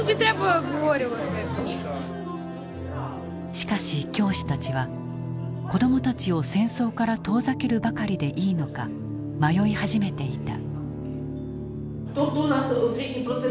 しかし教師たちは子どもたちを戦争から遠ざけるばかりでいいのか迷い始めていた。